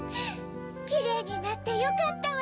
キレイになってよかったわ。